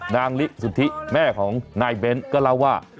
นางลิสุธิแม่ของนายเบ้นก็เล่าว่า